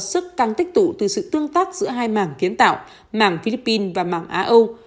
sức càng tích tụ từ sự tương tác giữa hai mảng kiến tạo mảng philippines và mảng á âu